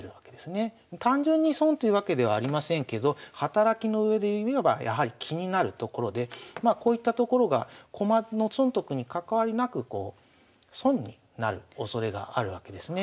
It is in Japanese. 単純に損というわけではありませんけど働きのうえでいえばやはり気になるところでこういったところが駒の損得に関わりなく損になるおそれがあるわけですね。